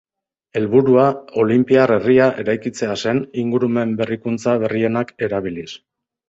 Helburua olinpiar herria eraikitzea zen, ingurumen berrikuntza berrienak erabiliz.